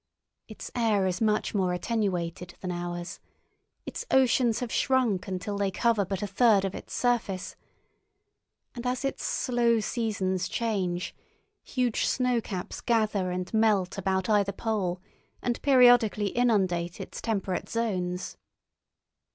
Its air is much more attenuated than ours, its oceans have shrunk until they cover but a third of its surface, and as its slow seasons change huge snowcaps gather and melt about either pole and periodically inundate its temperate zones.